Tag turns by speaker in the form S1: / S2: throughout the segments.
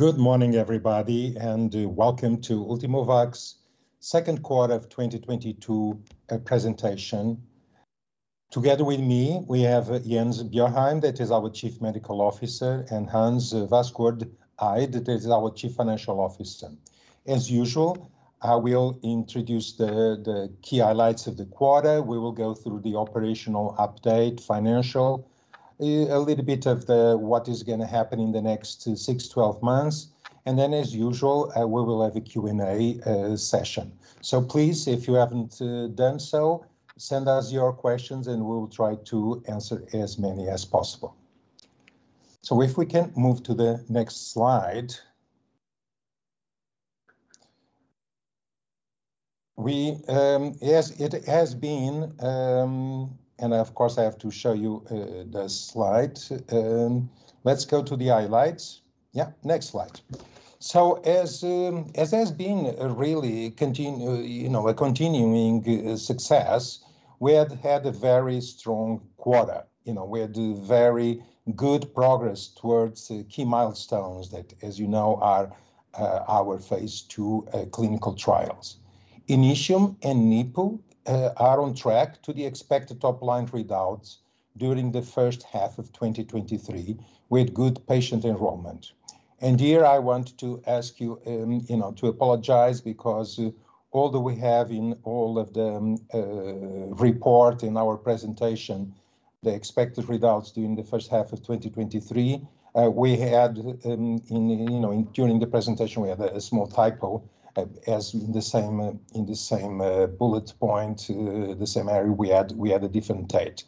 S1: Good morning, everybody, and welcome to Ultimovacs Q2 of 2022 presentation. Together with me, we have Jens Bjørheim, that is our Chief Medical Officer, and Hans Vassgård Eid, that is our Chief Financial Officer. As usual, I will introduce the key highlights of the quarter. We will go through the operational update, financial, a little bit of the, what is gonna happen in the next six to 12 months. Then, as usual, we will have a Q&A session. Please, if you haven't done so, send us your questions and we will try to answer as many as possible. If we can move to the next slide. Yes, it has been. Of course I have to show you the slide. Let's go to the highlights. Next slide. As has been really a continuing success, we have had a very strong quarter. You know, we had very good progress towards the key milestones that, as you know, are our phase two clinical trials. Initium and NIPU are on track to the expected top-line readouts during the first half of 2023, with good patient enrollment. Here I want to ask you know, to apologize because although we have in all of the report in our presentation the expected readouts during the first half of 2023, we had in you know, in during the presentation we had a small typo. As in the same bullet point, the summary we had a different date.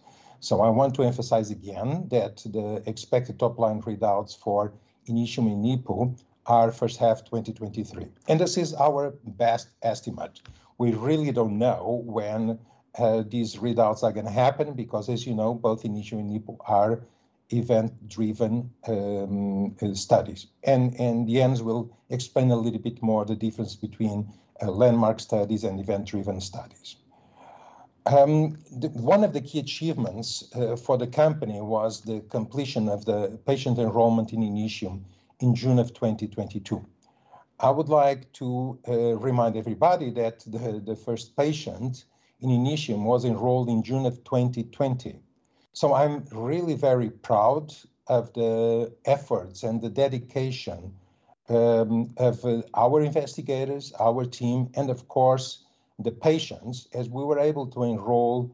S1: I want to emphasize again that the expected top-line readouts for Initium and NIPU are first half 2023, and this is our best estimate. We really don't know when these readouts are gonna happen because as you know, both Initium and NIPU are event-driven studies. Jens will explain a little bit more the difference between landmark studies and event-driven studies. One of the key achievements for the company was the completion of the patient enrollment in Initium in June 2022. I would like to remind everybody that the first patient in Initium was enrolled in June 2020. I'm really very proud of the efforts and the dedication of our investigators, our team and of course the patients, as we were able to enroll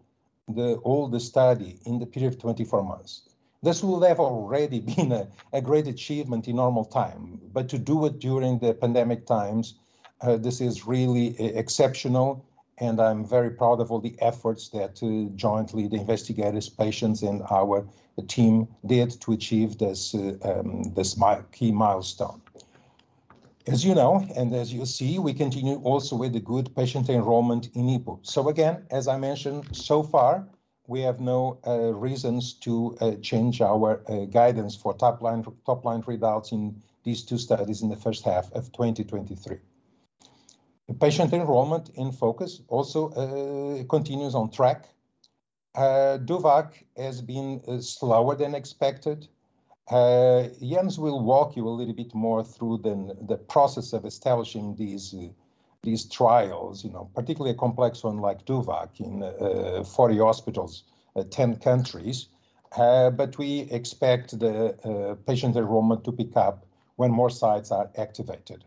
S1: all the study in the period of 24 months. This would have already been a great achievement in normal time, but to do it during the pandemic times, this is really exceptional and I'm very proud of all the efforts that jointly the investigators, patients and our team did to achieve this key milestone. As you know and as you'll see, we continue also with the good patient enrollment in NIPU. Again, as I mentioned, so far we have no reasons to change our guidance for top-line readouts in these two studies in the first half of 2023. The patient enrollment in FOCUS also continues on track. DOVACC has been slower than expected. Jens will walk you a little bit more through the process of establishing these trials, you know, particularly a complex one like DOVACC in 40 hospitals, 10 countries. We expect the patient enrollment to pick up when more sites are activated.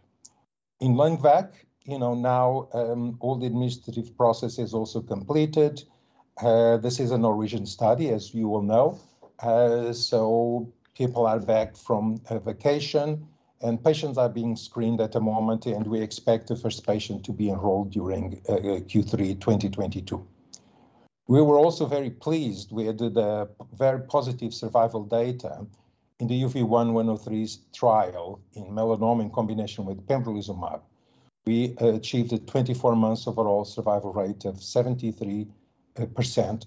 S1: In LUNGVAC, you know, now all the administrative process is also completed. This is a Norwegian study, as you will know. People are back from a vacation, and patients are being screened at the moment and we expect the first patient to be enrolled during Q3 2022. We were also very pleased with the very positive survival data in the UV1-103 trial in melanoma in combination with pembrolizumab. We achieved a 24-month overall survival rate of 73%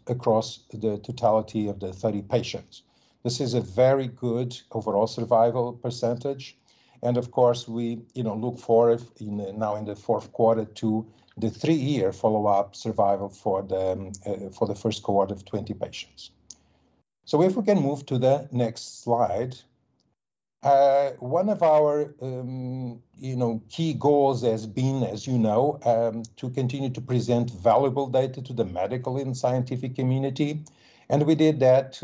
S1: across the totality of the 30 patients. This is a very good overall survival percentage and of course we, you know, look forward now in the Q4 to the three-year follow-up survival for the first cohort of 20 patients. If we can move to the next slide. One of our key goals has been, as you know, to continue to present valuable data to the medical and scientific community, and we did that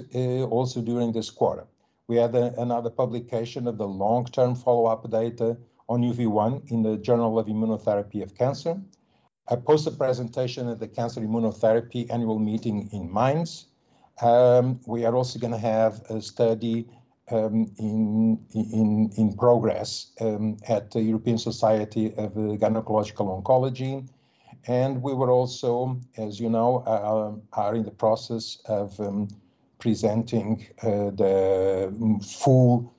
S1: also during this quarter. We had another publication of the long-term follow-up data on UV1 in the Journal for ImmunoTherapy of Cancer, a poster presentation at the CIMT Annual Meeting in Mainz. We are also gonna have a study in progress at the European Society of Gynecological Oncology. We were also, as you know, in the process of presenting the full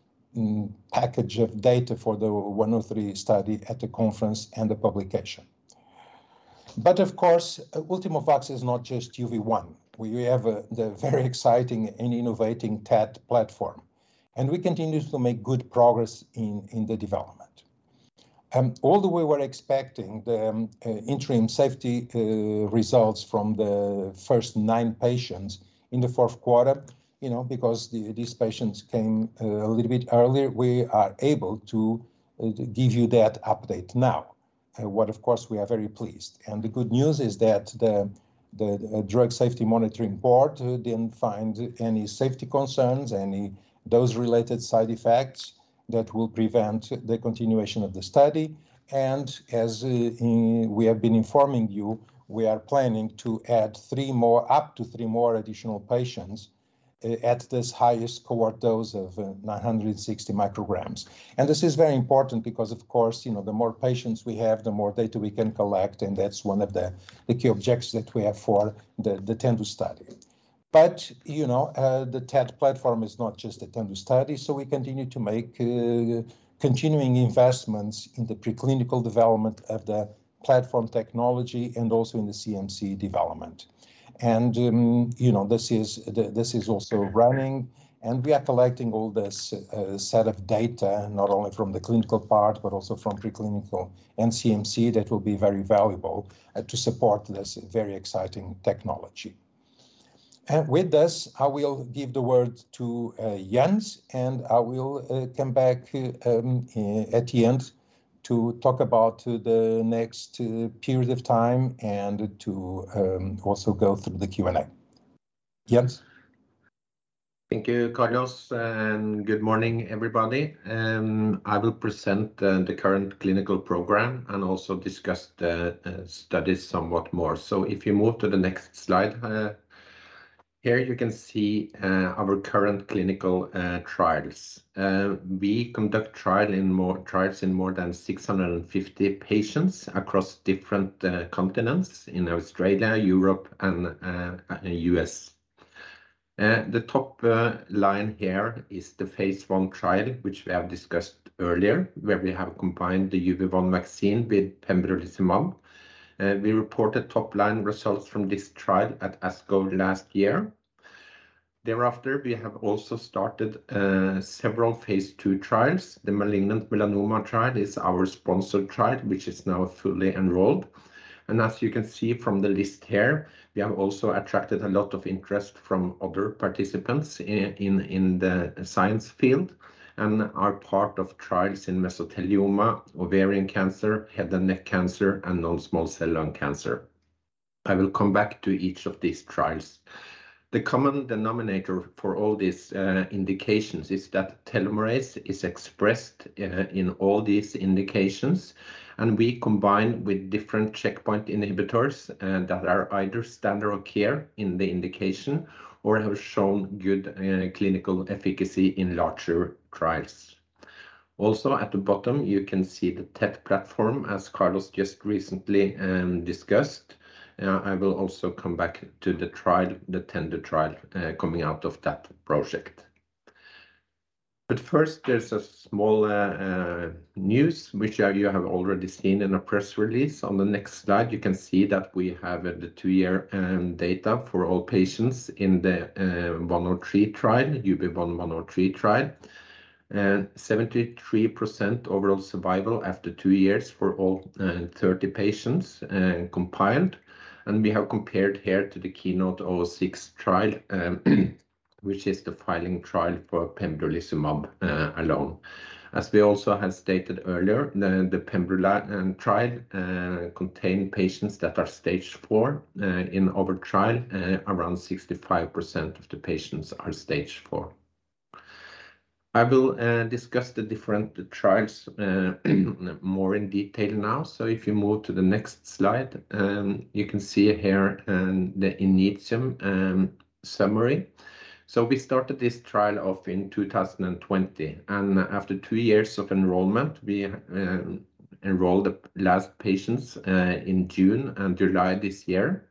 S1: package of data for the UV1-103 study at the conference and the publication. Of course, Ultimovacs is not just UV1. We have the very exciting and innovative TET platform, and we continue to make good progress in the development. Although we were expecting the interim safety results from the first 9 patients in the Q4, you know, because these patients came a little bit earlier, we are able to give you that update now. Well, of course, we are very pleased. The good news is that the Data Safety Monitoring Board didn't find any safety concerns, any dose-related side effects that will prevent the continuation of the study. As we have been informing you, we are planning to add three more, up to three more additional patients, at this highest cohort dose of 960 micrograms. This is very important because of course, you know, the more patients we have, the more data we can collect, and that's one of the key objectives that we have for the TENDO study. You know, the TET platform is not just a TENDO study, so we continue to make continuing investments in the preclinical development of the platform technology and also in the CMC development. You know, this is also running, and we are collecting all this set of data, not only from the clinical part, but also from preclinical and CMC that will be very valuable to support this very exciting technology. With this, I will give the word to Jens, and I will come back at the end to talk about to the next period of time and to also go through the Q&A. Jens?
S2: Thank you, Carlos, and good morning, everybody. I will present the current clinical program and also discuss the studies somewhat more. If you move to the next slide, here you can see our current clinical trials. We conduct trials in more than 650 patients across different continents in Australia, Europe and US. The top line here is the phase 1 trial, which we have discussed earlier, where we have combined the UV1 vaccine with pembrolizumab. We reported top line results from this trial at ASCO last year. Thereafter, we have also started several phase 2 trials. The malignant melanoma trial is our sponsored trial, which is now fully enrolled. As you can see from the list here, we have also attracted a lot of interest from other participants in the science field and are part of trials in mesothelioma, ovarian cancer, head and neck cancer, and non-small cell lung cancer. I will come back to each of these trials. The common denominator for all these indications is that telomerase is expressed in all these indications, and we combine with different checkpoint inhibitors that are either standard of care in the indication or have shown good clinical efficacy in larger trials. Also, at the bottom, you can see the TET platform as Carlos just recently discussed. I will also come back to the trial, the TENDO trial, coming out of that project. First, there's a small news which you have already seen in a press release. On the next slide, you can see that we have the 2-year data for all patients in the 103 trial, UV1-103 trial. 73% overall survival after 2 years for all 30 patients compiled. We have compared here to the Keynote 006 trial, which is the filing trial for pembrolizumab alone. As we also had stated earlier, the trial contain patients that are stage four. In our trial, around 65% of the patients are stage four. I will discuss the different trials more in detail now. If you move to the next slide, you can see here the Initium summary. We started this trial off in 2020, and after two years of enrollment, we enrolled the last patients in June and July this year.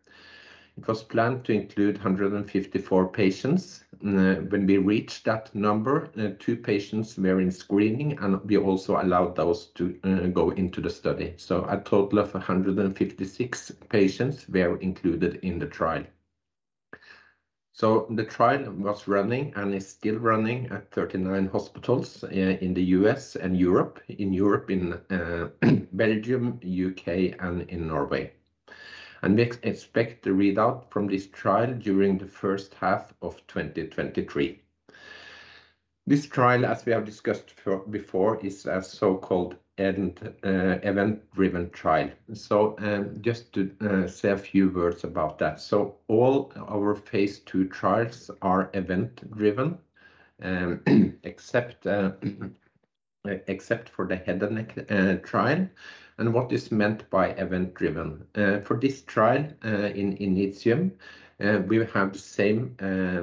S2: It was planned to include 154 patients. When we reached that number, two patients were in screening, and we also allowed those to go into the study. A total of 156 patients were included in the trial. The trial was running and is still running at 39 hospitals in the U.S. and Europe. In Europe, in Belgium, U.K. and Norway. We expect the readout from this trial during the first half of 2023. This trial, as we have discussed before, is a so-called event-driven trial. Just to say a few words about that. All our phase two trials are event driven, except for the head and neck trial. What is meant by event driven? For this trial, in Initium, we have the same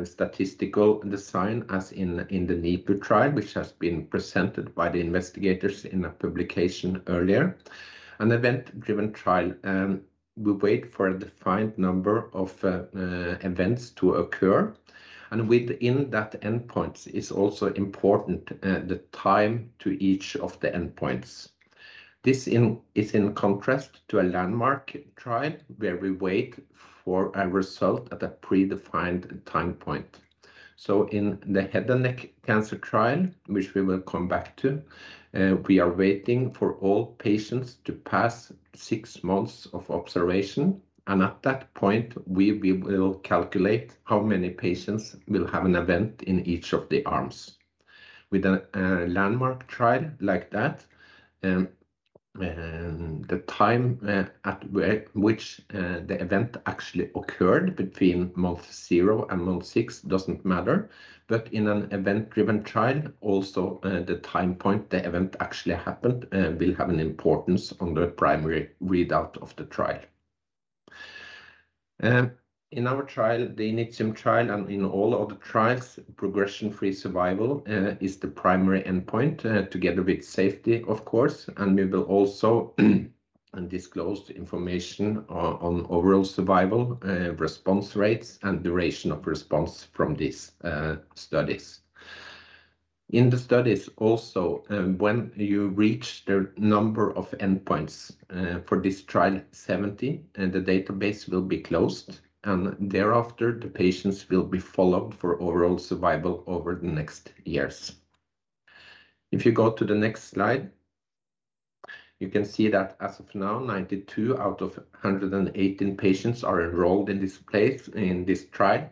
S2: statistical design as in the NIPU trial, which has been presented by the investigators in a publication earlier. An event-driven trial will wait for a defined number of events to occur, and within that endpoints is also important, the time to each of the endpoints. This is in contrast to a landmark trial where we wait for a result at a predefined time point. In the head and neck cancer trial, which we will come back to, we are waiting for all patients to pass six months of observation, and at that point we will calculate how many patients will have an event in each of the arms. With a landmark trial like that, the time at which the event actually occurred between month 0 and month 6 doesn't matter. In an event-driven trial, also, the time point the event actually happened will have an importance on the primary readout of the trial. In our trial, the Initium trial, and in all other trials, progression-free survival is the primary endpoint together with safety, of course, and we will also disclose the information on overall survival, response rates and duration of response from these studies. In the studies also, when you reach the number of endpoints for this trial, 70, and the database will be closed, and thereafter the patients will be followed for overall survival over the next years. If you go to the next slide, you can see that as of now, 92 out of 118 patients are enrolled in this phase, in this trial,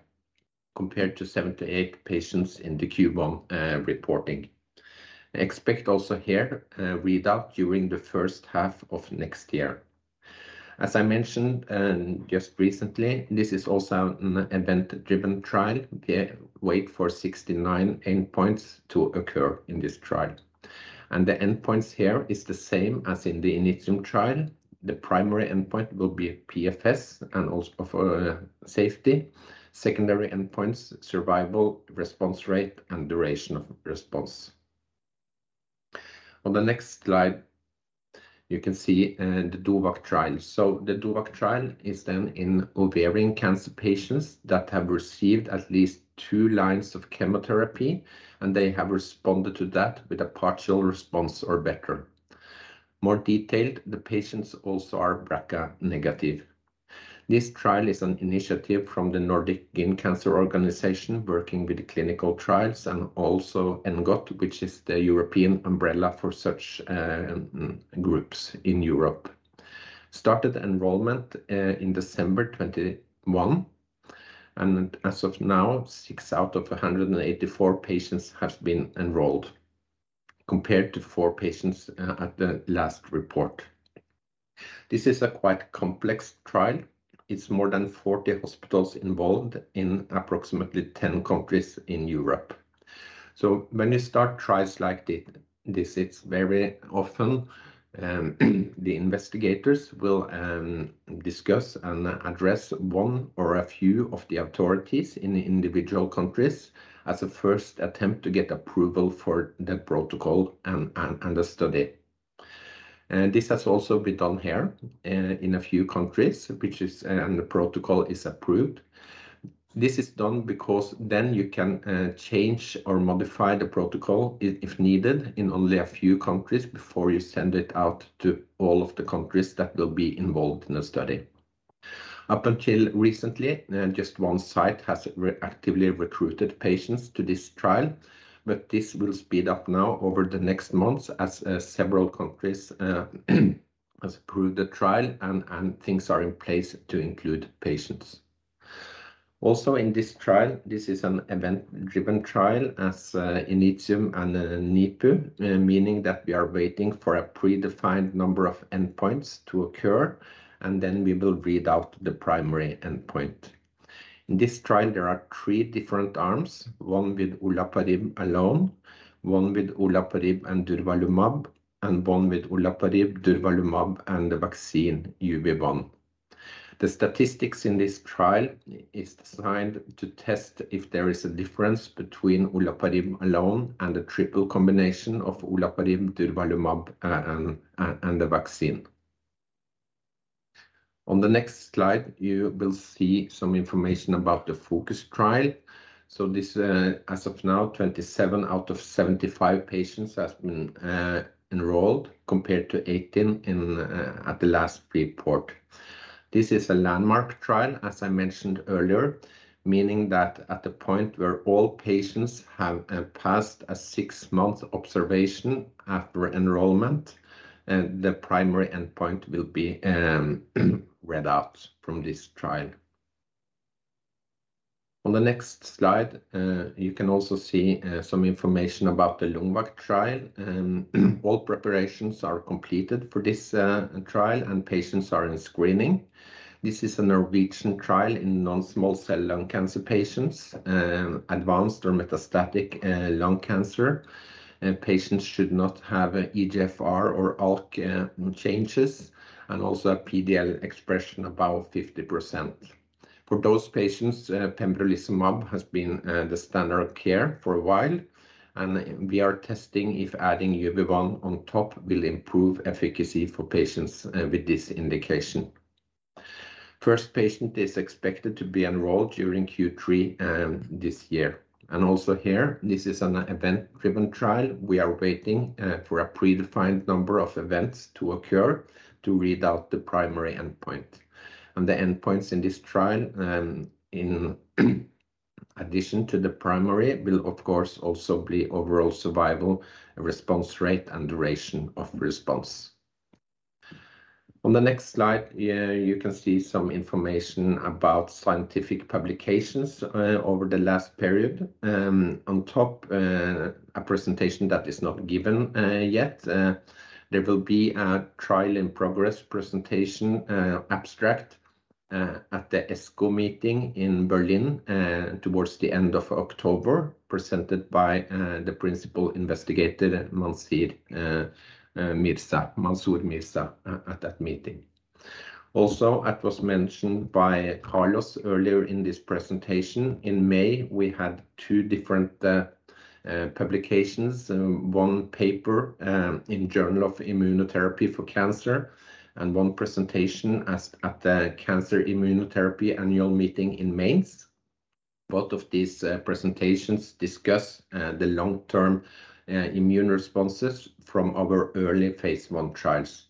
S2: compared to 78 patients in the Q1 reporting. Expect also here a readout during the first half of next year. As I mentioned just recently, this is also an event-driven trial. We wait for 69 endpoints to occur in this trial. The endpoints here is the same as in the Initium trial. The primary endpoint will be PFS and also for safety. Secondary endpoints, survival, response rate and duration of response. On the next slide you can see the DUOVAC trial. The DUOVAC trial is then in ovarian cancer patients that have received at least two lines of chemotherapy, and they have responded to that with a partial response or better. More detailed, the patients also are BRCA-negative. This trial is an initiative from the Nordic Society of Gynaecological Oncology working with clinical trials and also ENGOT, which is the European umbrella for such groups in Europe. Started enrollment in December 2021, and as of now, six out of 184 patients has been enrolled compared to four patients at the last report. This is a quite complex trial. It's more than 40 hospitals involved in approximately 10 countries in Europe. When you start trials like this, it's very often the investigators will discuss and address one or a few of the authorities in the individual countries as a first attempt to get approval for the protocol and the study. This has also been done here in a few countries, and the protocol is approved. This is done because then you can change or modify the protocol if needed in only a few countries before you send it out to all of the countries that will be involved in the study. Up until recently, just one site has actively recruited patients to this trial but this will speed up now over the next months as several countries has approved the trial and things are in place to include patients. Also in this trial, this is an event-driven trial as Initium and NIPU, meaning that we are waiting for a predefined number of endpoints to occur, and then we will read out the primary endpoint. In this trial, there are three different arms, one with olaparib alone, one with olaparib and durvalumab, and one with olaparib, durvalumab and the vaccine UV1. The statistics in this trial is designed to test if there is a difference between olaparib alone and the triple combination of olaparib, durvalumab and the vaccine. On the next slide, you will see some information about the FOCUS trial. This as of now, 27 out of 75 patients has been enrolled compared to 18 at the last report. This is a landmark trial, as I mentioned earlier, meaning that at the point where all patients have passed a six-month observation after enrollment, the primary endpoint will be read out from this trial. On the next slide, you can also see some information about the LUNGVAC trial. All preparations are completed for this trial, and patients are in screening. This is a Norwegian trial in non-small cell lung cancer patients, advanced or metastatic lung cancer. Patients should not have EGFR or ALK changes, and also a PD-L1 expression above 50%. For those patients, pembrolizumab has been the standard of care for a while, and we are testing if adding UV1 on top will improve efficacy for patients with this indication. First patient is expected to be enrolled during Q3 this year. Also here, this is an event-driven trial. We are waiting for a predefined number of events to occur to read out the primary endpoint. The endpoints in this trial, in addition to the primary, will of course also be overall survival, response rate and duration of response. On the next slide, you can see some information about scientific publications over the last period. On top, a presentation that is not given yet. There will be a trial in progress presentation abstract at the ESGO meeting in Berlin towards the end of October, presented by the principal investigator, Mansoor Mirza at that meeting. Also, it was mentioned by Carlos earlier in this presentation, in May, we had two different publications. One paper in Journal for ImmunoTherapy of Cancer, and one presentation at the CIMT Annual Meeting in Mainz. Both of these presentations discuss the long-term immune responses from our early phase 1 trials.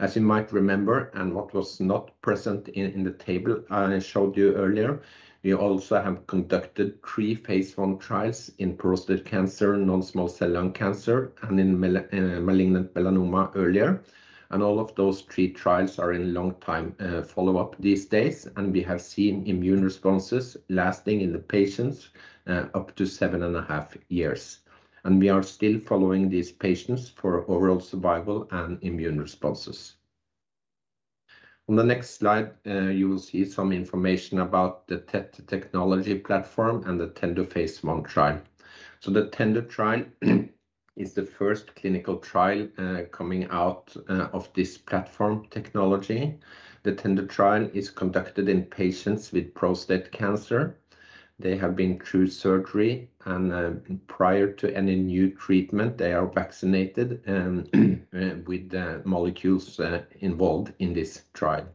S2: As you might remember, and what was not present in the table I showed you earlier, we also have conducted three phase 1 trials in prostate cancer, non-small cell lung cancer, and in malignant melanoma earlier. All of those three trials are in long-term follow-up these days, and we have seen immune responses lasting in the patients up to seven and a half years. We are still following these patients for overall survival and immune responses. On the next slide, you will see some information about the TET technology platform and the TENDO phase 1 trial. The TENDO trial is the first clinical trial coming out of this platform technology. The TENDO trial is conducted in patients with prostate cancer. They have been through surgery, and prior to any new treatment, they are vaccinated with the molecules involved in this trial.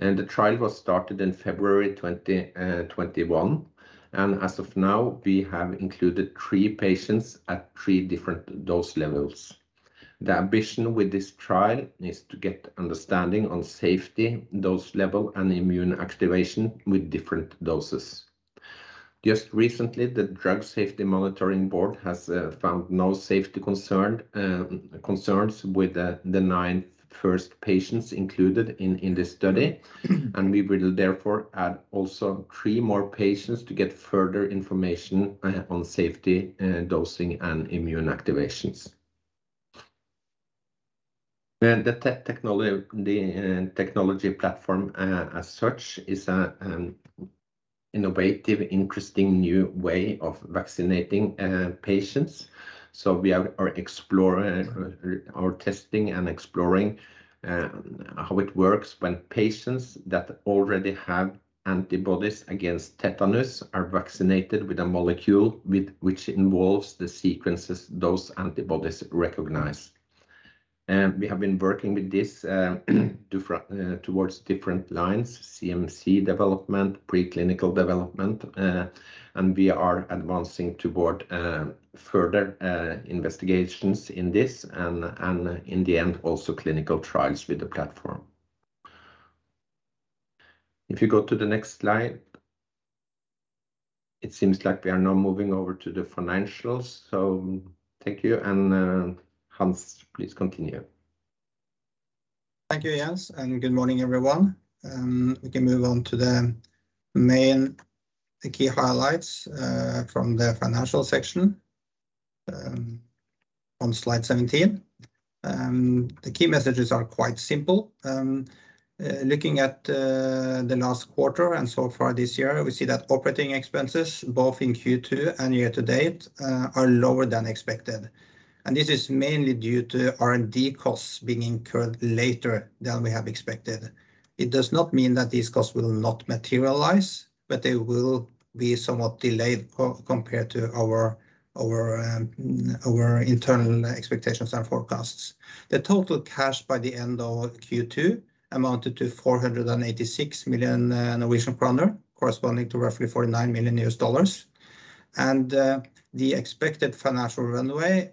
S2: The trial was started in February 2021, and as of now, we have included three patients at three different dose levels. The ambition with this trial is to get understanding on safety, dose level, and immune activation with different doses. Just recently, the Data Safety Monitoring Board has found no safety concerns with the nine first patients included in the study. We will therefore add also three more patients to get further information on safety, dosing, and immune activations. The TET technology, the technology platform, as such, is innovative interesting new way of vaccinating patients. We are exploring or testing and exploring how it works when patients that already have antibodies against tetanus are vaccinated with a molecule with which involves the sequences those antibodies recognize. We have been working with this different towards different lines, CMC development, preclinical development, and we are advancing toward further investigations in this and in the end, also clinical trials with the platform. If you go to the next slide, it seems like we are now moving over to the financials. Thank you, and Hans, please continue.
S3: Thank you, Jens, and good morning, everyone. We can move on to the key highlights from the financial section on slide 17. The key messages are quite simple. Looking at the last quarter and so far this year, we see that operating expenses, both in Q2 and year to date, are lower than expected. This is mainly due to R&D costs being incurred later than we have expected. It does not mean that these costs will not materialize, but they will be somewhat delayed compared to our internal expectations and forecasts. The total cash by the end of Q2 amounted to 486 million Norwegian kroner, corresponding to roughly $49 million. The expected financial runway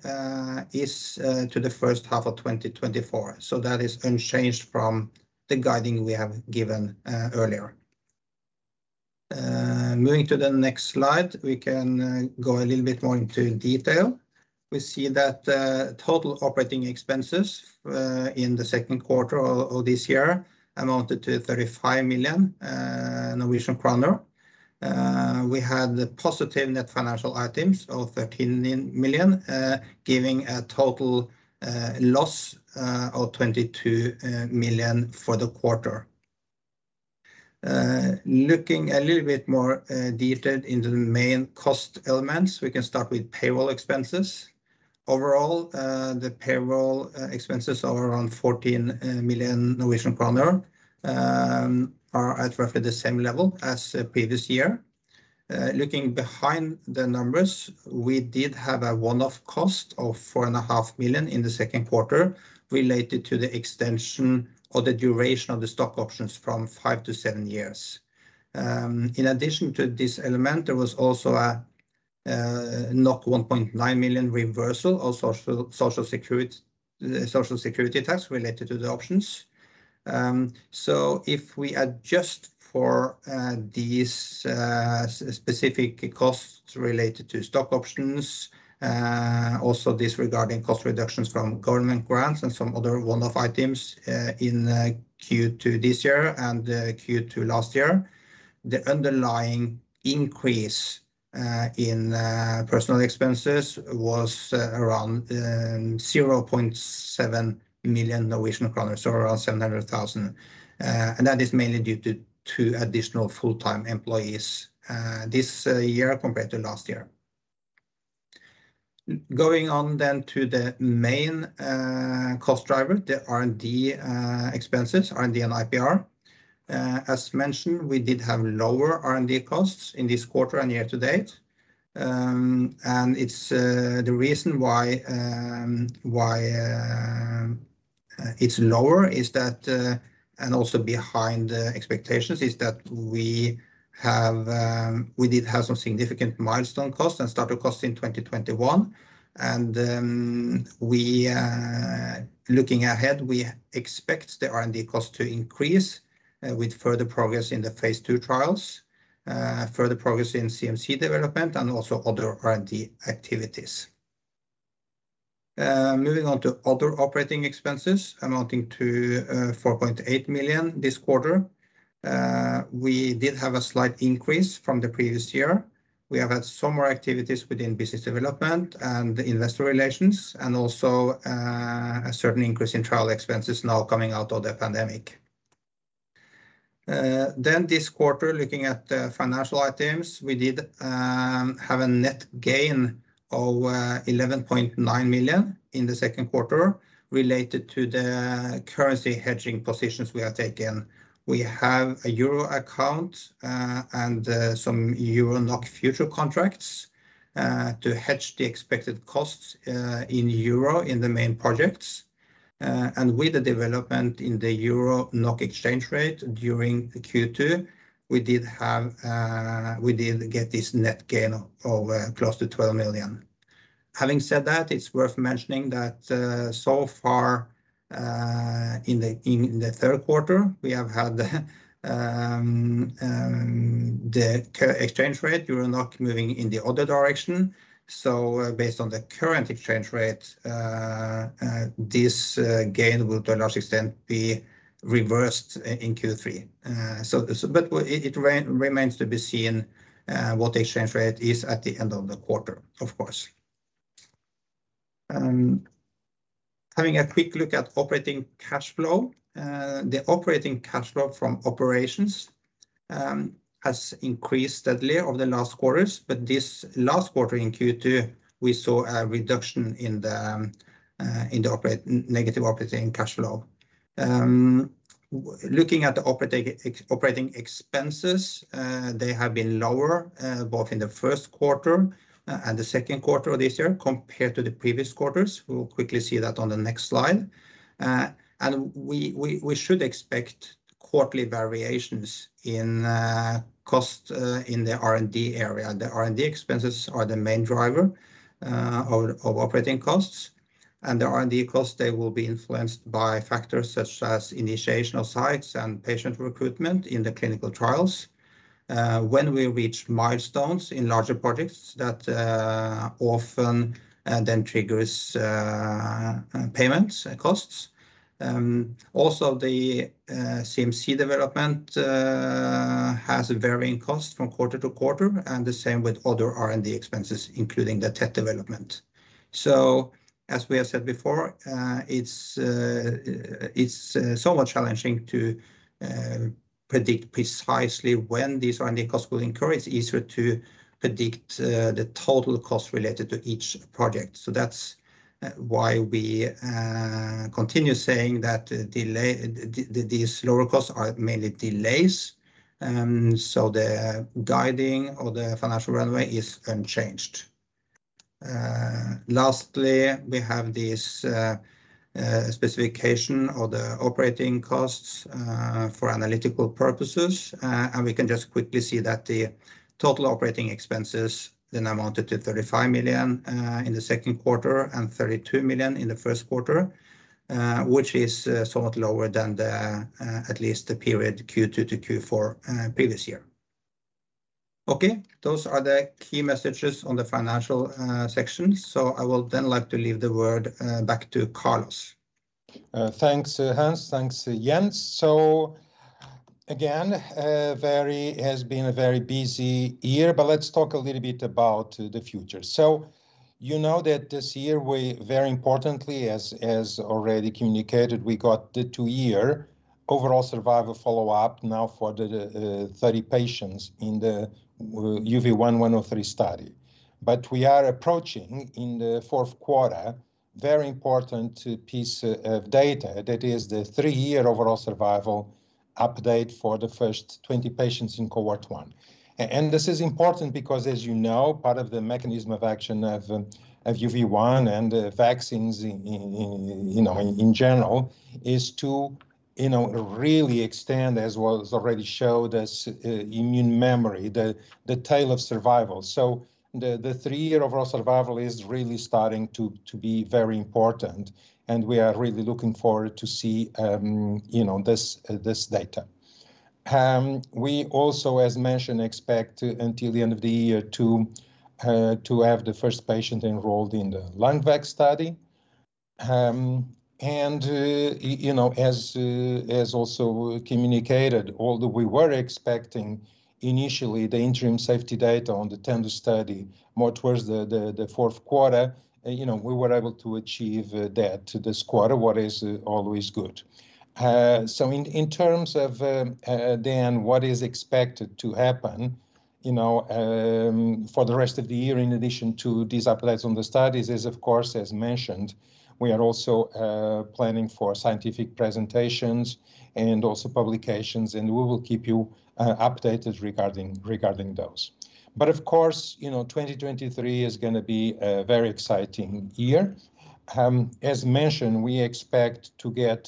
S3: is to the first half of 2024. That is unchanged from the guidance we have given earlier. Moving to the next slide, we can go a little bit more into detail. We see that total operating expenses in the Q2 of this year amounted to 35 million Norwegian kroner. We had positive net financial items of 13 million, giving a total loss of 22 million for the quarter. Looking a little bit more detailed into the main cost elements, we can start with payroll expenses. Overall, the payroll expenses are around 14 million Norwegian kroner or at roughly the same level as previous year. Looking behind the numbers, we did have a one-off cost of four and a half million in the Q2 related to the extension or the duration of the stock options from five to seven years. In addition to this element, there was also 1.9 million reversal of social security tax related to the options. If we adjust for these specific costs related to stock options, also disregarding cost reductions from government grants and some other one-off items in Q2 this year and Q2 last year, the underlying increase in personal expenses was around 0.7 million Norwegian kroner, so around 700,000. That is mainly due to additional full-time employees this year compared to last year. Going on to the main cost driver, the R&D expenses, R&D and IPR. As mentioned, we did have lower R&D costs in this quarter and year to date. It's the reason why it's lower is that, and also behind the expectations is that we did have some significant milestone costs and startup costs in 2021. Looking ahead, we expect the R&D cost to increase with further progress in the phase 2 trials, further progress in CMC development and also other R&D activities. Moving on to other operating expenses amounting to 4.8 million this quarter. We did have a slight increase from the previous year. We have had some more activities within business development and investor relations and also a certain increase in trial expenses now coming out of the pandemic. This quarter, looking at the financial items, we did have a net gain of 11.9 million in the Q2 related to the currency hedging positions we have taken. We have a euro account and some euro NOK future contracts to hedge the expected costs in euro in the main projects. With the development in the euro NOK exchange rate during the Q2, we did get this net gain of close to 12 million. Having said that, it's worth mentioning that so far in the Q3, we have had the exchange rate euro NOK moving in the other direction. Based on the current exchange rate, this gain will to a large extent be reversed in Q3. It remains to be seen what the exchange rate is at the end of the quarter, of course. Having a quick look at operating cash flow. The operating cash flow from operations has increased steadily over the last quarters, but this last quarter in Q2, we saw a reduction in the negative operating cash flow. Looking at the operating expenses, they have been lower both in the Q1 and the Q2 of this year compared to the previous quarters. We will quickly see that on the next slide. We should expect quarterly variations in cost in the R&D area. The R&D expenses are the main driver of operating costs. The R&D costs, they will be influenced by factors such as initiation of sites and patient recruitment in the clinical trials. When we reach milestones in larger projects that often then triggers payments and costs. Also the CMC development has a varying cost from quarter to quarter, and the same with other R&D expenses, including the tech development. As we have said before, it's it's somewhat challenging to predict precisely when these R&D costs will incur. It's easier to predict the total cost related to each project. That's why we continue saying that delay. These lower costs are mainly delays. The guiding of the financial runway is unchanged. Lastly, we have this specification of the operating costs for analytical purposes. We can just quickly see that the total operating expenses then amounted to 35 million in the Q2 and 32 million in the Q1, which is somewhat lower than at least the period Q2 to Q4 previous year. Okay. Those are the key messages on the financial section. I will then like to hand the word back to Carlos.
S1: Thanks, Hans. Thanks, Jens. Again, has been a very busy year, but let's talk a little bit about the future. You know that this year we very importantly, as already communicated, we got the two-year overall survival follow-up now for the 30 patients in the UV1-103 study. We are approaching in the Q4 very important piece of data. That is the three-year overall survival update for the first 20 patients in cohort one. And this is important because, as you know, part of the mechanism of action of UV1 and vaccines in, you know, in general is to, you know, really extend as well as already showed as immune memory, the tail of survival. The three-year overall survival is really starting to be very important, and we are really looking forward to see you know this data. We also, as mentioned, expect until the end of the year to have the first patient enrolled in the LUNGVAC study. You know, as also communicated, although we were expecting initially the interim safety data on the TENDO study more towards the Q4, you know, we were able to achieve that this quarter, what is always good. In terms of then what is expected to happen, you know, for the rest of the year in addition to these updates on the studies is, of course, as mentioned, we are also planning for scientific presentations and also publications, and we will keep you updated regarding those. Of course, you know, 2023 is gonna be a very exciting year. As mentioned, we expect to get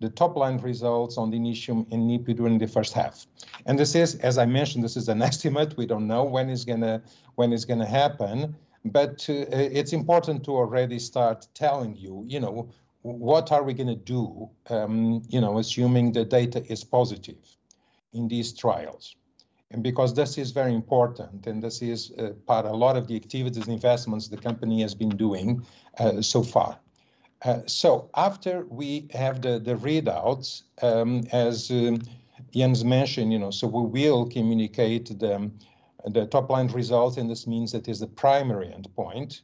S1: the top line results on the initial NIPU during the first half. This is, as I mentioned, an estimate. We don't know when it's gonna happen. It's important to already start telling you know, what are we gonna do, you know, assuming the data is positive in these trials. Because this is very important, and this is part of a lot of the activities and investments the company has been doing so far. After we have the readouts, as Jens mentioned, you know, we will communicate the top line results, and this means that is the primary endpoint,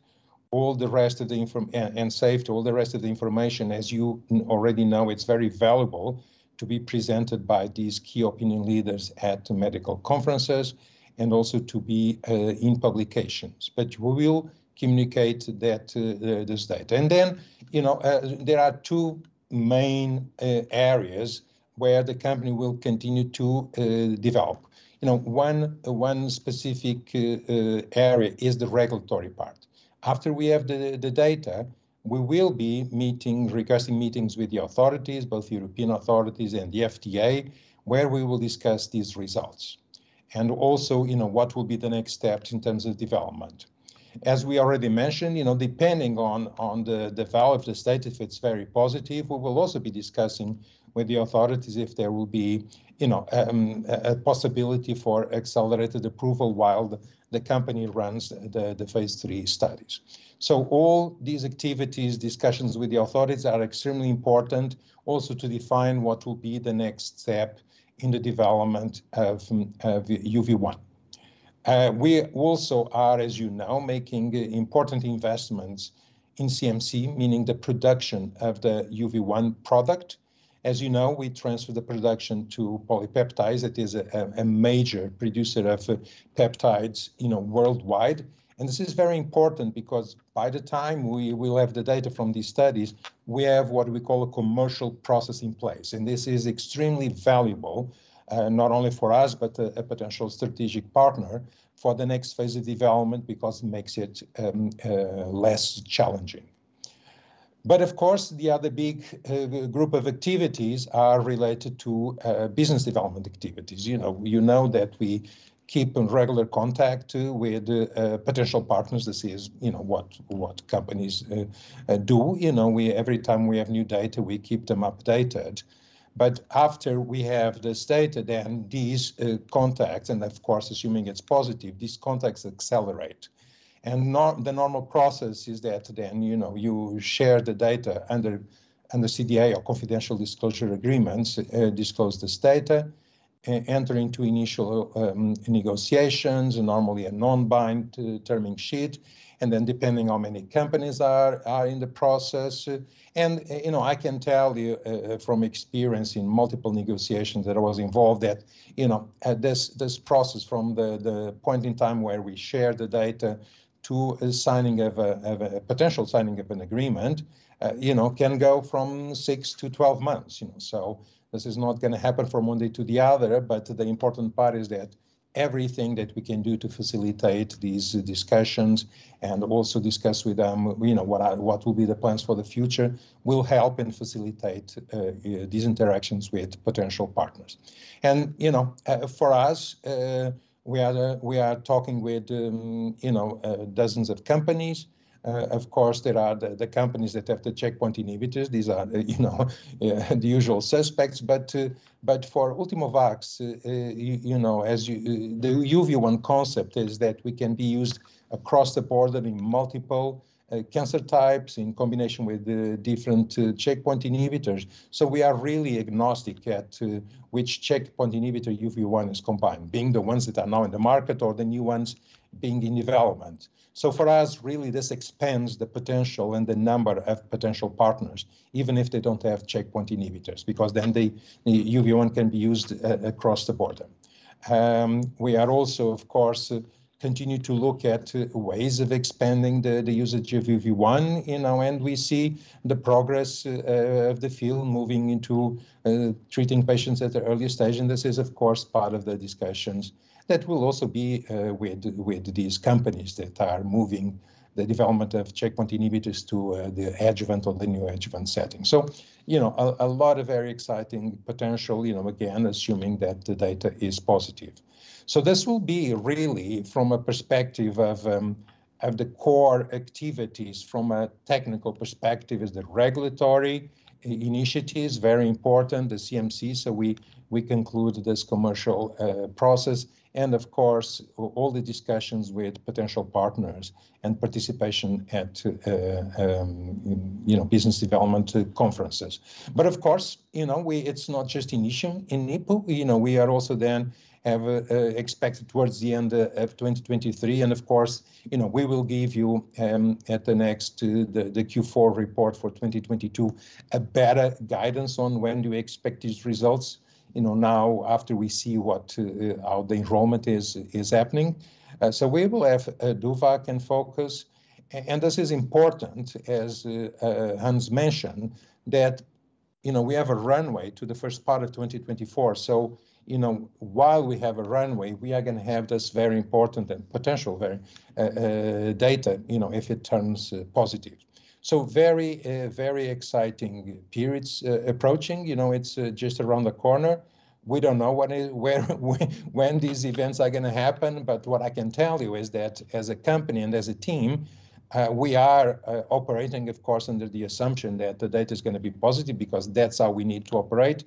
S1: all the rest of the information, and save all the rest of the information, as you already know, it's very valuable to be presented by these key opinion leaders at medical conferences and also to be in publications. We will communicate that this data. You know, there are two main areas where the company will continue to develop. You know, one specific area is the regulatory part. After we have the data, we will be meeting, requesting meetings with the authorities, both European authorities and the FDA, where we will discuss these results, also, you know, what will be the next step in terms of development. As we already mentioned, you know, depending on the value of the data, if it's very positive, we will also be discussing with the authorities if there will be, you know, a possibility for accelerated approval while the company runs the phase three studies. All these activities, discussions with the authorities are extremely important also to define what will be the next step in the development of UV1. We also are, as you know, making important investments in CMC, meaning the production of the UV1 product. As you know, we transfer the production to PolyPeptide. It is a major producer of peptides, you know, worldwide. This is very important because by the time we will have the data from these studies, we have what we call a commercial process in place, and this is extremely valuable, not only for us, but a potential strategic partner for the next phase of development because it makes it less challenging. Of course, the other big group of activities are related to business development activities. You know that we keep in regular contact with potential partners. This is, you know, what companies do. You know, every time we have new data, we keep them updated. After we have this data, then these contacts, and of course, assuming it's positive, these contacts accelerate. The normal process is that then, you know, you share the data under CDA or confidential disclosure agreements, disclose this data, enter into initial negotiations, and normally a non-binding term sheet. Then depending how many companies are in the process. You know, I can tell you from experience in multiple negotiations that I was involved that, you know, this process from the point in time where we share the data to a signing of a potential agreement, you know, can go from six-12 months, you know. This is not gonna happen from one day to the other. The important part is that everything that we can do to facilitate these discussions and also discuss with them, you know, what will be the plans for the future, will help and facilitate these interactions with potential partners. You know, for us, we are talking with, you know, dozens of companies. Of course, there are the companies that have the checkpoint inhibitors. These are, you know, the usual suspects. For Ultimovacs, you know, the UV1 concept is that we can be used across the board in multiple cancer types in combination with the different checkpoint inhibitors. We are really agnostic at which checkpoint inhibitor UV1 is combined, being the ones that are now in the market or the new ones being in development. For us, really this expands the potential and the number of potential partners, even if they don't have checkpoint inhibitors, because then the UV1 can be used across the board. We are also, of course, continue to look at ways of expanding the usage of UV1. You know, and we see the progress of the field moving into treating patients at the earliest stage. This is, of course, part of the discussions that will also be with these companies that are moving the development of checkpoint inhibitors to the adjuvant or the neoadjuvant setting. You know, a lot of very exciting potential, you know, again, assuming that the data is positive. This will be really from a perspective of the core activities. From a technical perspective is the regulatory initiatives, very important, the CMC, so we conclude this commercial process, and of course, all the discussions with potential partners and participation at, you know, business development conferences. Of course, you know, it's not just initial in NIPU. You know, we are also then have expected towards the end of 2023, and of course, you know, we will give you at the next, the Q4 report for 2022, a better guidance on when do we expect these results. You know, now after we see what, how the enrollment is happening. We will have DOVACC and FOCUS, and this is important, as Hans mentioned, that you know, we have a runway to the first part of 2024. You know, while we have a runway, we are gonna have this very important and potential very data, you know, if it turns positive. Very exciting periods approaching. You know, it's just around the corner. We don't know when these events are gonna happen, but what I can tell you is that as a company and as a team, we are operating, of course, under the assumption that the data's gonna be positive because that's how we need to operate.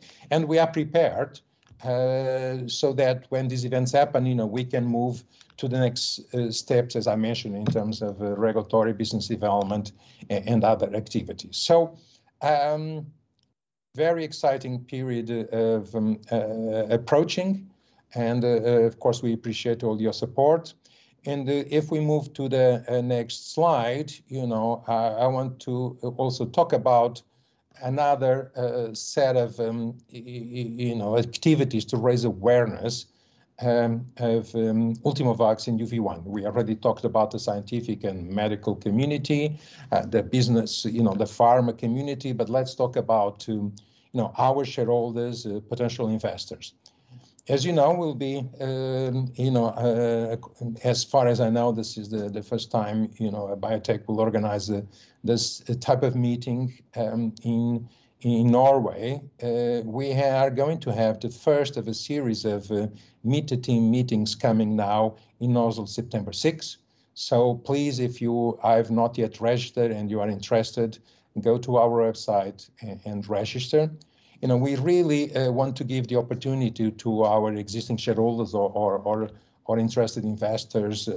S1: We are prepared so that when these events happen, you know, we can move to the next steps, as I mentioned, in terms of regulatory business development and other activities. Very exciting period approaching, and of course, we appreciate all your support. If we move to the next slide, you know, I want to also talk about another set of you know activities to raise awareness of Ultimovacs and UV1. We already talked about the scientific and medical community, the business, you know, the pharma community, but let's talk about you know our shareholders potential investors. As you know, we'll be, you know, as far as I know, this is the first time, you know, a biotech will organize, this type of meeting, in Norway. We are going to have the first of a series of, meet the team meetings coming now in Oslo, September sixth. Please, if you have not yet registered and you are interested, go to our website and register. You know, we really want to give the opportunity to our existing shareholders or interested investors,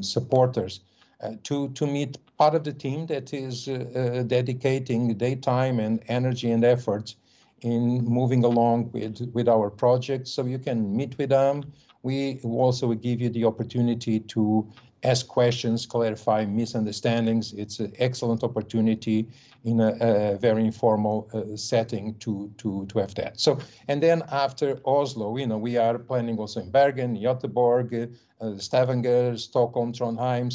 S1: supporters, to meet part of the team that is dedicating their time and energy and effort in moving along with our projects so you can meet with them. We will also give you the opportunity to ask questions, clarify misunderstandings. It's an excellent opportunity in a very informal setting to have that. After Oslo, you know, we are planning also in Bergen, Göteborg, Stavanger, Stockholm, Trondheim.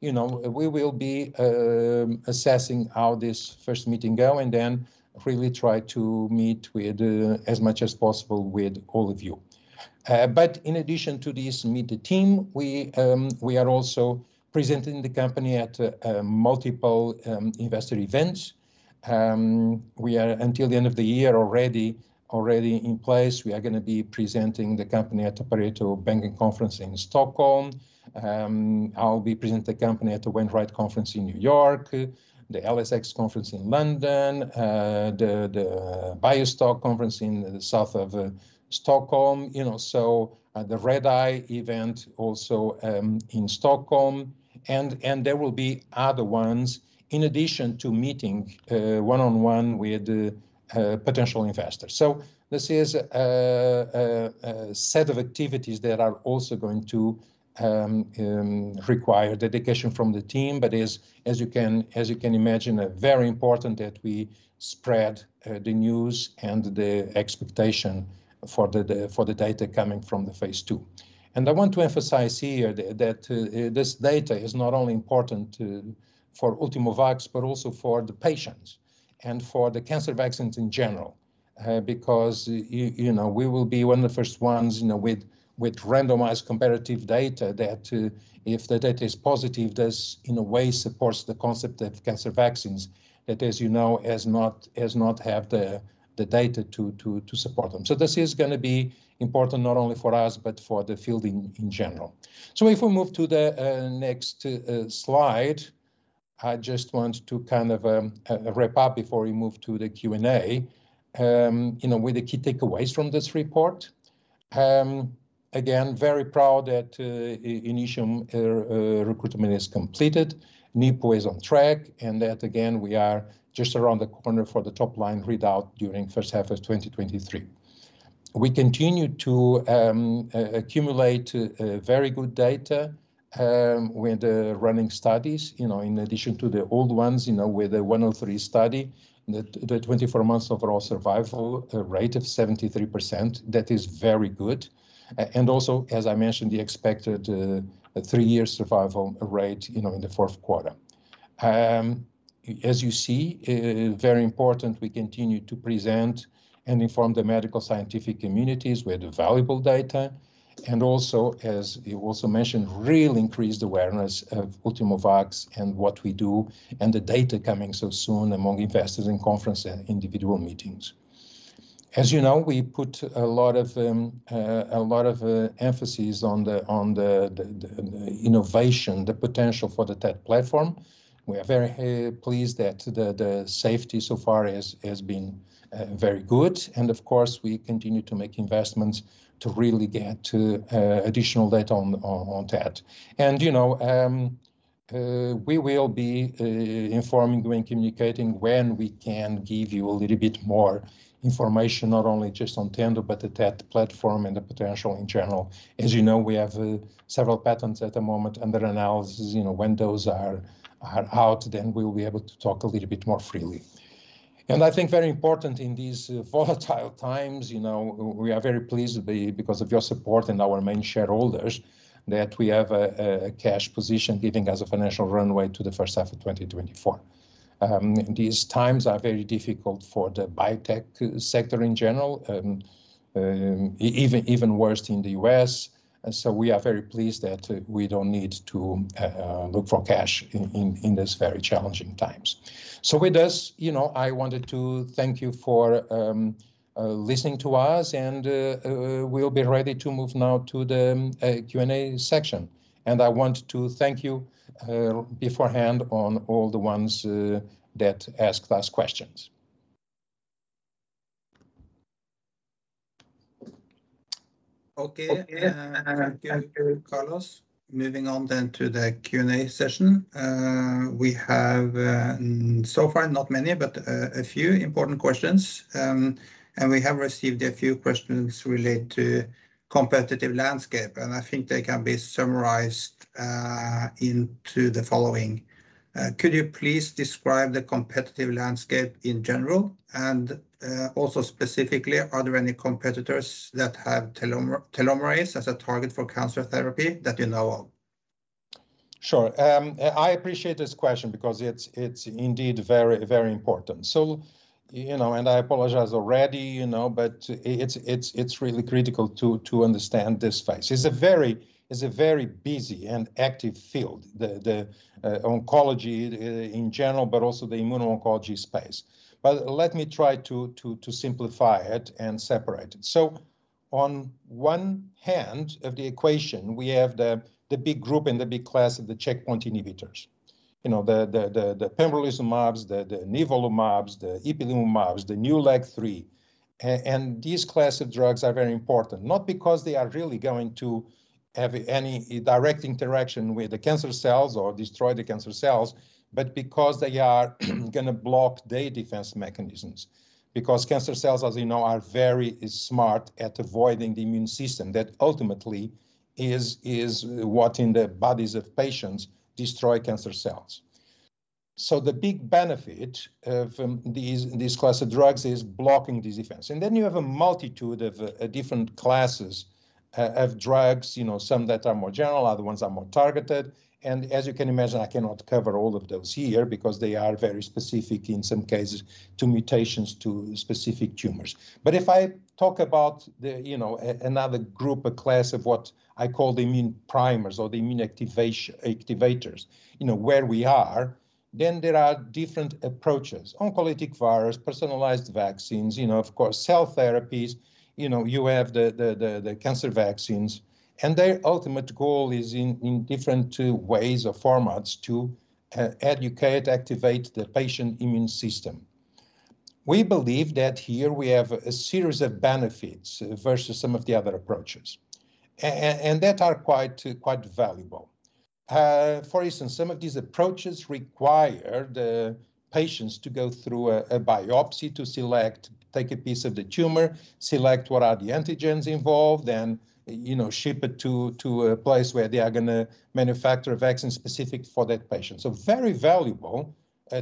S1: You know, we will be assessing how this first meeting go and then really try to meet with as many as possible with all of you. In addition to this meet the team, we are also presenting the company at multiple investor events. We are until the end of the year already in place. We are gonna be presenting the company at the Pareto Securities Conference in Stockholm. I'll be presenting the company at the H.C. Wainwright Conference in New York, the LSX Conference in London, the BioStock conference in the south of Stockholm. You know, at the Redeye event also, in Stockholm and there will be other ones in addition to meeting one-on-one with potential investors. This is a set of activities that are also going to require dedication from the team, but is, as you can imagine, very important that we spread the news and the expectation for the data coming from the phase 2. I want to emphasize here that this data is not only important for Ultimovacs, but also for the patients and for the cancer vaccines in general. Because you know, we will be one of the first ones, you know, with randomized comparative data that if the data is positive, this in a way supports the concept of cancer vaccines that, as you know, has not had the data to support them. This is gonna be important not only for us, but for the field in general. If we move to the next slide, I just want to kind of wrap up before we move to the Q&A, you know, with the key takeaways from this report. Again, very proud that Initium recruitment is completed, NIPU is on track, and that again, we are just around the corner for the top line readout during first half of 2023. We continue to accumulate very good data with the running studies, you know, in addition to the old ones, you know, with the UV1-103 study, the 24 months overall survival rate of 73%, that is very good. Also, as I mentioned, the expected 3-year survival rate, you know, in the Q4. As you see, very important we continue to present and inform the medical scientific communities with the valuable data, and also, as you also mentioned, really increase the awareness of Ultimovacs and what we do and the data coming so soon among investors in conferences and individual meetings. As you know, we put a lot of emphasis on the innovation, the potential for the TET platform. We are very pleased that the safety so far has been very good. Of course, we continue to make investments to really get additional data on TET. You know, we will be informing you and communicating when we can give you a little bit more information, not only just on TENDO, but the TET platform and the potential in general. As you know, we have several patents at the moment under analysis. You know, when those are out, then we will be able to talk a little bit more freely. I think very important in these volatile times, you know, we are very pleased to be, because of your support and our main shareholders, that we have a cash position giving us a financial runway to the first half of 2024. These times are very difficult for the biotech sector in general, even worse in the US. We are very pleased that we don't need to look for cash in this very challenging times. With this, you know, I wanted to thank you for listening to us, and we'll be ready to move now to the Q&A section. I want to thank you beforehand on all the ones that ask us questions.
S3: Okay.
S1: Okay.
S3: Thank you, Carlos. Moving on to the Q&A session. We have so far not many, but a few important questions. We have received a few questions related to competitive landscape, and I think they can be summarized into the following. Could you please describe the competitive landscape in general and also specifically, are there any competitors that have telomerase as a target for cancer therapy that you know of?
S1: Sure. I appreciate this question because it's indeed very important. You know, and I apologize already, you know, but it's really critical to understand this space. It's a very busy and active field, the oncology in general, but also the immuno-oncology space. Let me try to simplify it and separate it. On one hand of the equation, we have the big group and the big class of the checkpoint inhibitors. You know, the pembrolizumabs, the nivolumabs, the ipilimumabs, the new LAG-3. These class of drugs are very important, not because they are really going to have any direct interaction with the cancer cells or destroy the cancer cells, but because they are gonna block their defense mechanisms. Because cancer cells, as you know, are very smart at avoiding the immune system that ultimately is what in the bodies of patients destroy cancer cells. The big benefit from these class of drugs is blocking this defense. You have a multitude of different classes of drugs, you know, some that are more general, other ones are more targeted. As you can imagine, I cannot cover all of those here because they are very specific in some cases to mutations to specific tumors. If I talk about the, you know, another group, a class of what I call the immune primers or the immune activators, you know, where we are, then there are different approaches. Oncolytic virus, personalized vaccines, you know, of course, cell therapies. You know, you have the cancer vaccines. Their ultimate goal is in different ways or formats to educate, activate the patient immune system. We believe that here we have a series of benefits versus some of the other approaches and that are quite valuable. For instance, some of these approaches require the patients to go through a biopsy to select, take a piece of the tumor, select what are the antigens involved, then, you know, ship it to a place where they are gonna manufacture a vaccine specific for that patient. Very valuable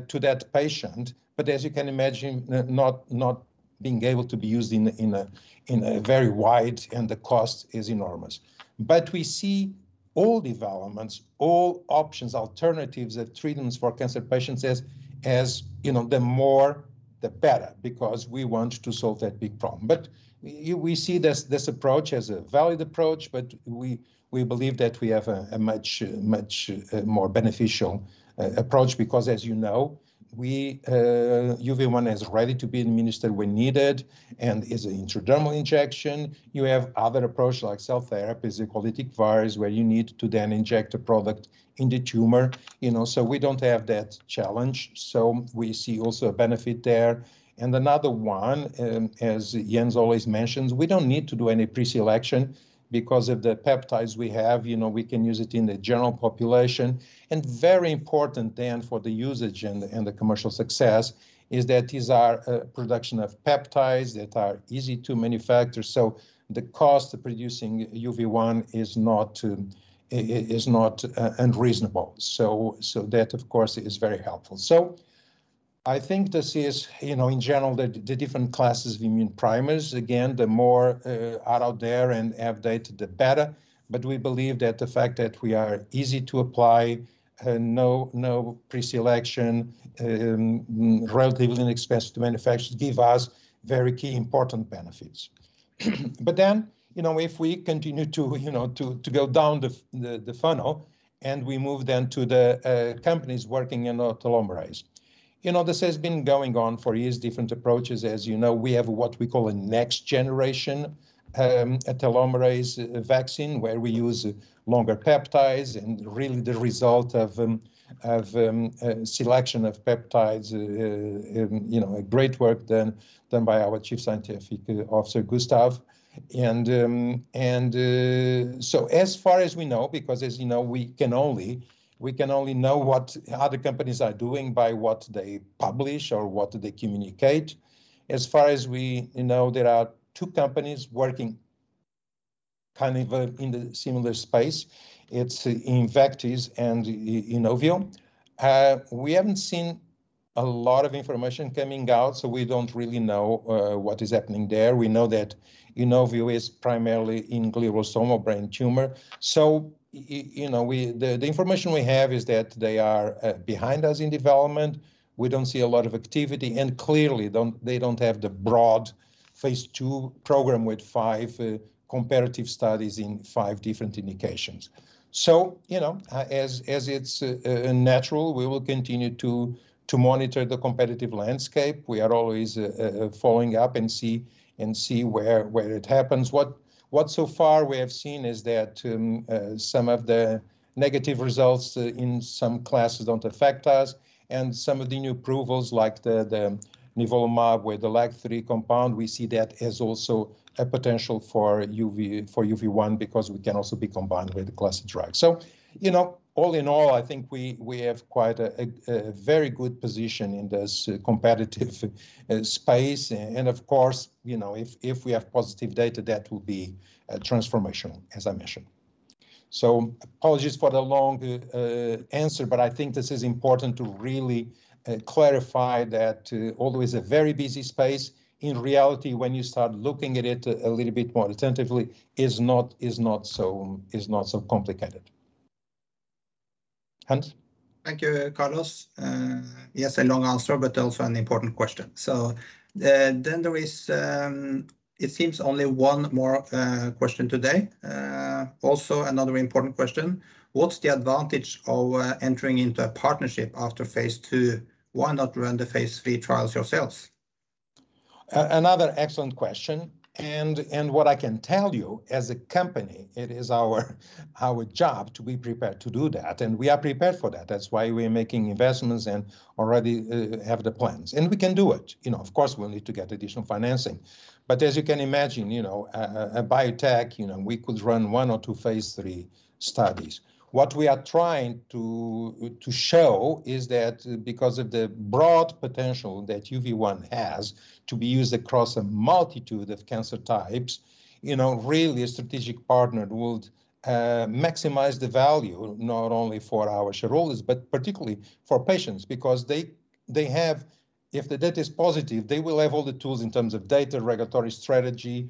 S1: to that patient, but as you can imagine, not being able to be used in a very wide, and the cost is enormous. We see all developments, all options, alternatives of treatments for cancer patients as you know, the more, the better, because we want to solve that big problem. We see this approach as a valid approach, but we believe that we have a much more beneficial approach because as you know, UV1 is ready to be administered when needed and is an intradermal injection. You have other approaches like cell therapies, oncolytic virus, where you need to then inject a product in the tumor. You know, so we don't have that challenge, so we see also a benefit there. Another one, as Jens always mentions, we don't need to do any pre-selection because of the peptides we have. You know, we can use it in the general population. Very important then for the usage and the commercial success is that these are production of peptides that are easy to manufacture. The cost of producing UV1 is not unreasonable. That of course is very helpful. I think this is, you know, in general, the different classes of immune primers. Again, the more are out there and have data, the better. We believe that the fact that we are easy to apply, no pre-selection, relatively inexpensive to manufacture give us very key important benefits. You know, if we continue to, you know, go down the funnel, and we move then to the companies working in the telomerase. You know, this has been going on for years, different approaches. As you know, we have what we call a next generation, a telomerase vaccine where we use longer peptides and really the result of selection of peptides, you know, a great work done by our Chief Scientific Officer, Gustav. As far as we know, because as you know, we can only know what other companies are doing by what they publish or what they communicate. As far as we know, there are two companies working kind of in the similar space. It's Invectys and Inovio. We haven't seen a lot of information coming out, so we don't really know what is happening there. We know that Inovio is primarily in glioblastoma brain tumor. You know, the information we have is that they are behind us in development. We don't see a lot of activity, and clearly they don't have the broad phase 2 program with five comparative studies in five different indications. You know, as it's natural, we will continue to monitor the competitive landscape. We are always following up and see where it happens. What so far we have seen is that some of the negative results in some classes don't affect us. Some of the new approvals like the nivolumab with the LAG-3 compound, we see that as also a potential for UV1 because we can also be combined with the class of drug. You know, all in all, I think we have quite a very good position in this competitive space. Of course, you know, if we have positive data, that will be transformational, as I mentioned. Apologies for the long answer, but I think this is important to really clarify that although it is a very busy space, in reality, when you start looking at it a little bit more attentively, it is not so complicated. Hans?
S3: Thank you, Carlos. Yes, a long answer, but also an important question. There is, it seems only one more question today. Also another important question. What's the advantage of entering into a partnership after phase 2? Why not run the phase 3 trials yourselves?
S1: Another excellent question, and what I can tell you, as a company, it is our job to be prepared to do that, and we are prepared for that. That's why we're making investments and already have the plans. We can do it. You know, of course, we'll need to get additional financing. But as you can imagine, you know, a biotech, you know, we could run one or two phase 3 studies. What we are trying to show is that because of the broad potential that UV1 has to be used across a multitude of cancer types, you know, really a strategic partner would maximize the value, not only for our shareholders, but particularly for patients, because they have. If the data is positive, they will have all the tools in terms of data, regulatory strategy,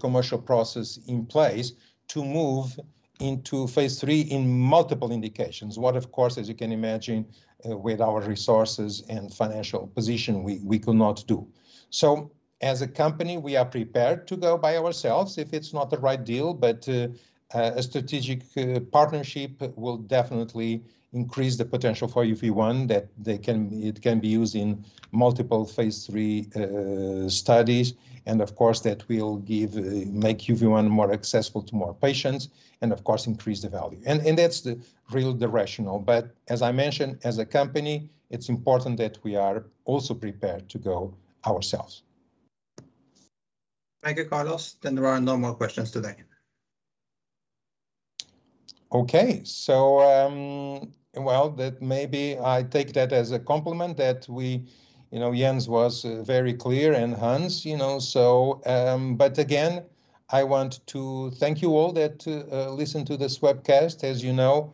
S1: commercial process in place to move into phase 3 in multiple indications. What, of course, as you can imagine, with our resources and financial position, we could not do. As a company, we are prepared to go by ourselves if it's not the right deal. A strategic partnership will definitely increase the potential for UV1 that they can, it can be used in multiple phase 3 studies. Of course, that will give, make UV1 more accessible to more patients and of course, increase the value. That's the real rationale. As I mentioned, as a company, it's important that we are also prepared to go ourselves.
S3: Thank you, Carlos. There are no more questions today.
S1: Okay. Well, that maybe I take that as a compliment that we, you know, Jens was very clear, and Hans, you know, but again, I want to thank you all that listen to this webcast. As you know,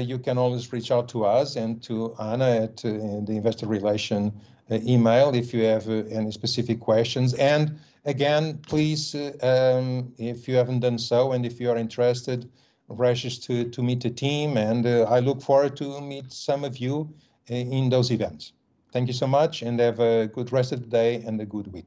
S1: you can always reach out to us and to Anna at the investor relation email if you have any specific questions. Again, please, if you haven't done so and if you are interested, register to meet the team and I look forward to meet some of you in those events. Thank you so much and have a good rest of the day and a good week.